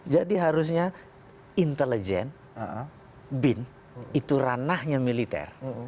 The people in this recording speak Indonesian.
jadi harusnya intelijen bin itu ranahnya militer